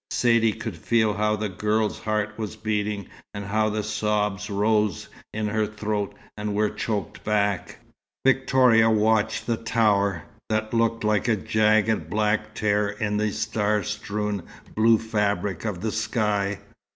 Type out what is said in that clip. Saidee could feel how the girl's heart was beating, and how the sobs rose in her throat, and were choked back. Victoria watched the tower, that looked like a jagged black tear in the star strewn blue fabric of the sky.